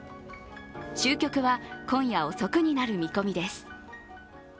終局は今夜遅くになる見込みです。